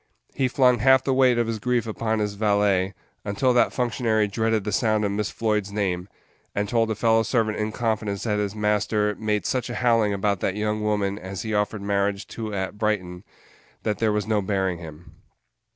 He flung half the weight of his grief upon his valet, until that functionary dreaded the sound of Miss Floyd's name, and told a fellow servant in confidence that his master "made such a howling about that young woman as he offered marriage to at Brighton that there was no bearing him."